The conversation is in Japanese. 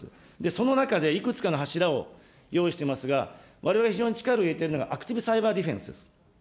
その中で、いくつかの柱を用意していますが、われわれ非常に力を入れているのが、アクティブ・サイバー・ディフェンスです。